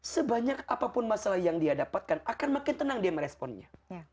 sebanyak apapun masalah yang dia dapatkan akan makin tenang dia meresponnya